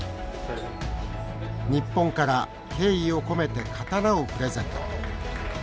日本から敬意を込めて刀をプレゼント。